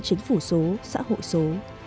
chính phủ số xã hội số